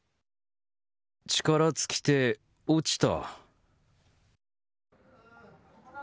力尽きて落ちた。